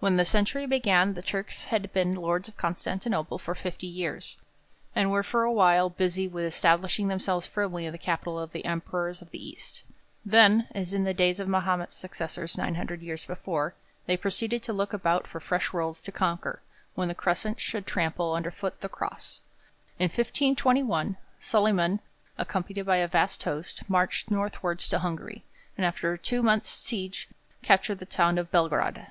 When the century began, the Turks had been lords of Constantinople for fifty years, and were for a while busy with establishing themselves firmly in the capital of the Emperors of the East. Then, as in the days of Mahomet's successors nine hundred years before, they proceeded to look about for fresh worlds to conquer, when the Crescent should trample underfoot the Cross. In 1521, Solyman, accompanied by a vast host, marched northwards to Hungary, and after a two months' siege captured the town of Belgrade.